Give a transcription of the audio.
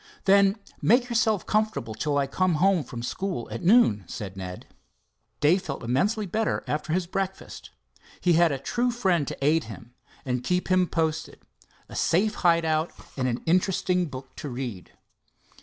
"Then make yourself comfortable till I come home from school at noon," said Ned. Dave felt immensely better after his breakfast. He had a true friend to aid him and keep him posted, a safe hide out, and an interesting book to read.